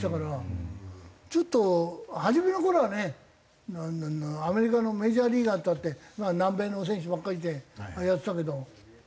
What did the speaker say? ちょっと初めの頃はねアメリカのメジャーリーガーっつったって南米の選手ばっかりでやってたけど。